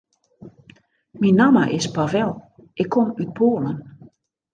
Myn namme is Pavel, ik kom út Poalen.